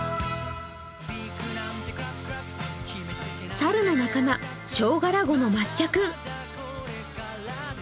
猿の仲間、ショウガラゴの抹茶君。